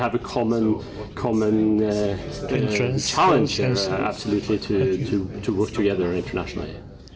jadi kita memiliki tantangan yang sama untuk bekerja bersama internasional